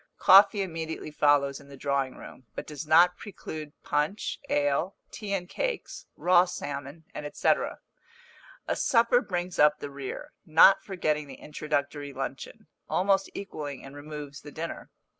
Coffee immediately follows in the drawing room, but does not preclude punch, ale, tea and cakes, raw salmon, &c. A supper brings up the rear, not forgetting the introductory luncheon, almost equalling in removes the dinner.